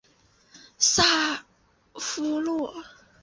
萨夫洛。